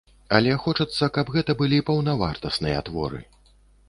Але хочацца, каб гэта былі паўнавартасныя творы.